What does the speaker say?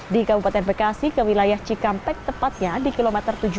di kabupaten bekasi ke wilayah cikampek tepatnya di kilometer tujuh puluh